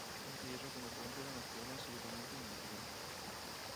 Inteso come compiere un'azione assolutamente inutile.